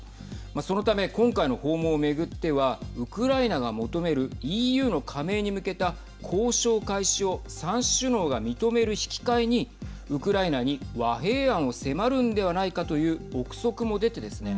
そのため、今回の訪問を巡ってはウクライナが求めるＥＵの加盟に向けた交渉開始を３首脳が認める引き換えにウクライナに和平案を迫るんではないかという臆測も出てですね